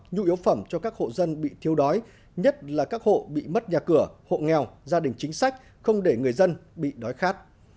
nhu yếu phẩm cho các hộ dân bị thiêu đói nhất là các hộ bị mất nhà cửa hộ nghèo gia đình chính sách không để người dân bị đói khát